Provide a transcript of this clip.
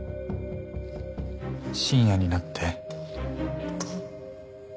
深夜になって。